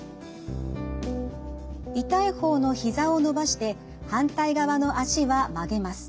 痛い方のひざを伸ばして反対側の脚は曲げます。